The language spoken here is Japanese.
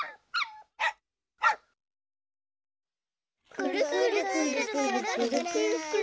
くるくるくるくるくるくるくる。